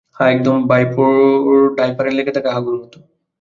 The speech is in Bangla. হ্যাঁ, একদম ডাইপারের লেগে থাকা হাগুর মত।